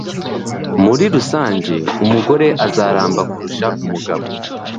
Muri rusange, umugore azaramba kurusha umugabo.